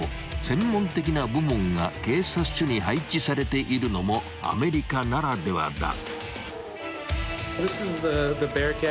専門的な部門が警察署に配置されているのもアメリカならではだ］